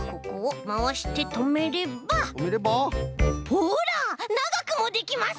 ほらながくもできます！